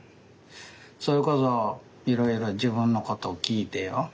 それこそいろいろ自分のことを聞いてよ。